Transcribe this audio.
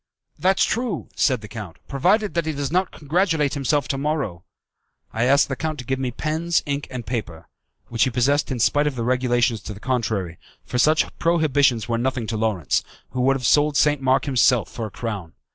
"That's true," said the count, "provided that he does not congratulate himself to morrow." I asked the count to give me pens, ink, and paper, which he possessed in spite of the regulations to the contrary, for such prohibitions were nothing to Lawrence, who would have sold St. Mark himself for a crown.